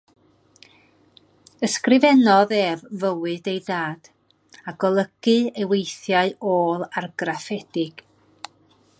Ysgrifennodd ef fywyd ei dad, a golygu ei weithiau ôl-argraffedig.